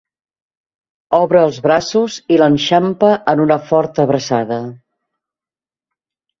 Obre els braços i l'enxampa en una forta abraçada.